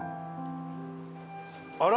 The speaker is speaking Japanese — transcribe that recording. あら！